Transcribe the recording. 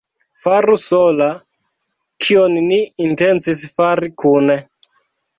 Faru sola, kion ni intencis fari kune!